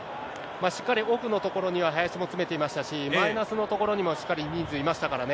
しっかり奥の所には、林も詰めていましたし、マイナスの所にもしっかり人数いましたからね。